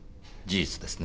事実です。